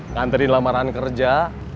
nganterin lamaran kerja